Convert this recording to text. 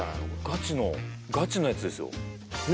ガチのガチのやつですよね